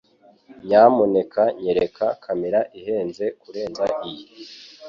Nyamuneka nyereka kamera ihenze kurenza iyi